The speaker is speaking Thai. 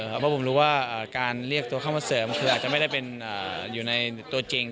เพราะผมรู้ว่าการเรียกตัวเข้ามาเสริมคืออาจจะไม่ได้เป็นอยู่ในตัวจริง